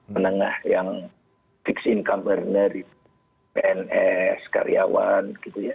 menengah yang fixed income earner pns karyawan